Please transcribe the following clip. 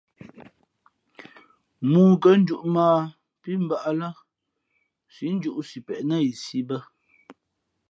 Mōō kα̌ njūʼ mᾱ ā pí mbᾱʼ ā lά sǐʼ njūʼ sipěʼ nά yi sī bᾱ.